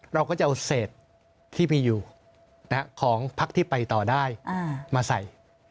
เราก็จะเอาเศษที่มีอยู่ของพักที่ไปต่อได้มาใส่